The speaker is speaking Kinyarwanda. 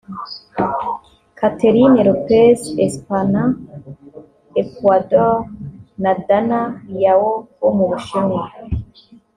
Katherine López España [Ecuador] na Danna Liao wo mu Bushinwa